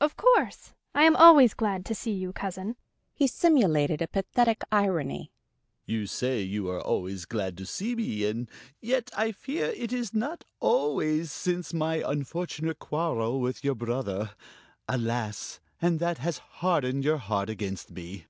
of course, I am always glad to see you, cousin." He simulated a pathetic irony. "You say you are always glad to see me and yet, I fear it is not always since my unfortunate quarrel with your brother. Alas, and that has hardened your heart against me."